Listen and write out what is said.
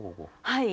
はい。